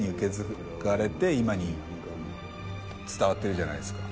今に伝わってるじゃないですか。